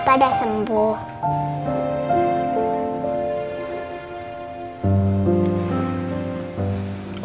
apa dah sembuh